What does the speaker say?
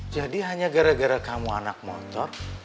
jadi hanya gara gara kamu anak motor